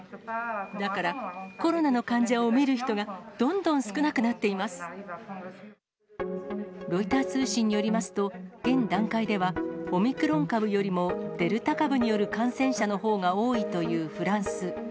だから、コロナの患者を診る人が、ロイター通信によりますと、現段階では、オミクロン株よりもデルタ株による感染者のほうが多いというフランス。